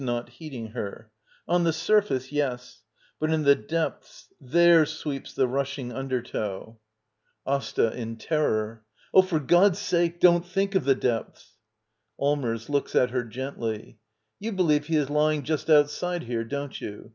[Not heeding her.] On the surface, yes. But in the depths — there sweeps the rushing undertow — d by Google i Act II. <es LITTLE EYOLF AsTA. [In terror.] Oh, for God*s sake — don't think of the depths! Allmbrs. [Looks at her gently.] You believe he is lying just outside here, don't you?